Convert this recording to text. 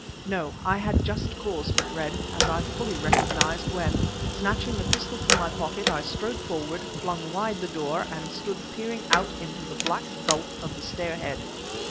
No, I had just cause for dread, as I fully recognized when, snatching the pistol from my pocket, I strode forward, flung wide the door, and stood peering out into the black gulf of the stairhead.